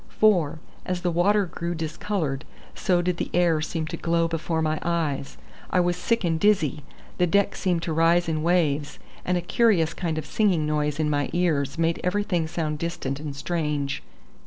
For, as the water grew discoloured, so did the air seem to glow before my eyes. I was sick and dizzy; the deck seemed to rise in waves, and a curious kind of singing noise in my ears made everything sound distant and strange.